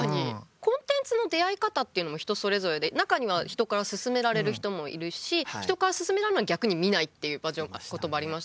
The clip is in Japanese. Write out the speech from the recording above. コンテンツの出会い方っていうのも人それぞれで中には人から勧められる人もいるし人から勧められたのは逆に見ないっていうバージョンもありました。